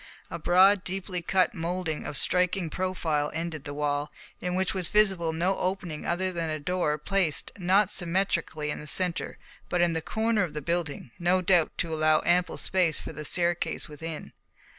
A broad, deeply cut moulding of striking profile ended the wall, in which was visible no opening other than a door placed, not symmetrically in the centre, but in the corner of the building, no doubt to allow ample space for the staircase within.